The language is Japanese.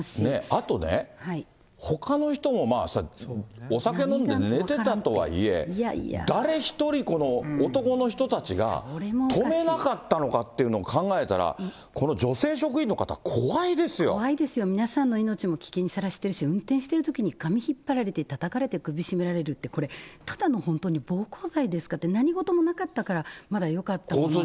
あとね、ほかの人も、まあそりゃ、お酒飲んで寝てたとはいえ、誰一人、この男の人たちが止めなかったのかっていうのを考えたら、怖いですよ、皆さんの命も危険にさらしてるし、運転しているときに髪引っ張られて、たたかれて、首絞められるって、ただの本当に暴行罪ですかって、何事もなかったからまだよかった。